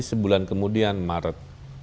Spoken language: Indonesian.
sebulan kemudian maret